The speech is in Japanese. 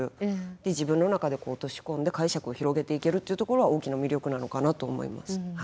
で自分の中で落とし込んで解釈を広げていけるっていうところは大きな魅力なのかなと思います。